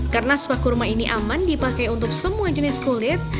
karena spa kurma ini aman dipakai untuk semua jenis kulit